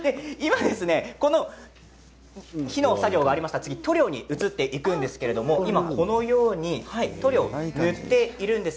今、火の作業がありましたが塗料に移っていくんですけれども塗料を塗っているんです。